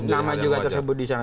nama juga tersebut disana